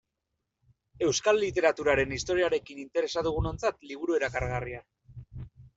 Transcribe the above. Euskal literaturaren historiarekin interesa dugunontzat liburu erakargarria.